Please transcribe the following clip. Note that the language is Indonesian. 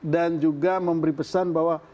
dan juga memberi pesan bahwa